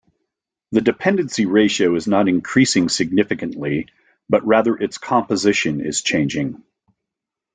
The dependency ratio is not increasing significantly, but rather its composition is changing.